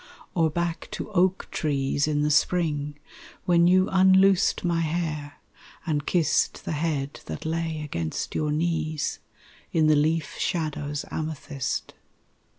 Or back to oak trees in the spring When you unloosed my hair and kissed The head that lay against your knees In the leaf shadow's amethyst.